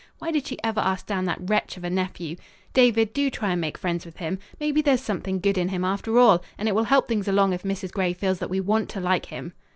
Why did she ever ask down that wretch of a nephew? David, do try and make friends with him. Maybe there's something good in him after all, and it will help things along if Mrs. Gray feels that we want to like him."